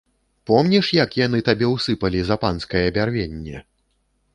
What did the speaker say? Помніш, як яны табе ўсыпалі за панскае бярвенне?